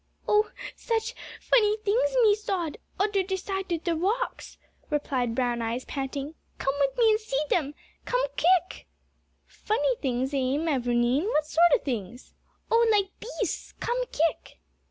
"Oh, such funny tings me sawd oder side de rocks," replied Brown eyes, panting; "come wid me an' see dem. Come kik!" "Funny things, eh, mavourneen, what sort of things?" "Oh, like beasts. Come kik!"